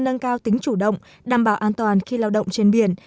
nâng cao tính chủ động đảm bảo an toàn khi lao động trên biển